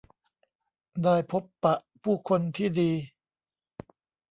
ได้พบปะผู้คนที่ดี